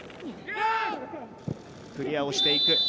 クリアをしていく。